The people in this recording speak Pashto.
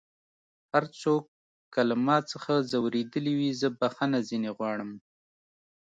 هر څوک که له ما څخه ځؤرېدلی وي زه بخښنه ځينې غواړم